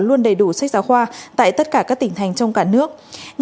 luôn đầy đủ sách giáo khoa tại tất cả các tỉnh thành trong cả nước